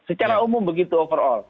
secara umum begitu overall